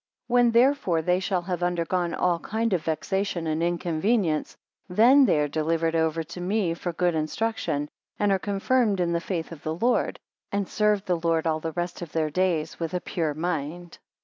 When therefore they shall have undergone all kind of vexation and inconvenience; then they are delivered over to me for good instruction, and are confirmed in the Faith of the Lord, and serve the Lord all the rest of their days with a pure mind.